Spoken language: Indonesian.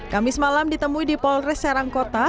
kamis malam ditemui di polres serangkota